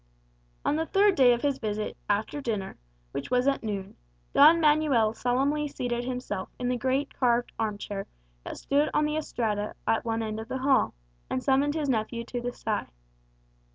On the third day of his visit, after dinner, which was at noon, Don Manuel solemnly seated himself in the great carved armchair that stood on the estrada at one end of the hall, and summoned his nephews to his side.